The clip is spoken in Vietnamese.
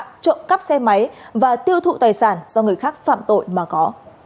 trộm cắp xe máy và tiêu thụ tài sản do người khác phạm tội mà có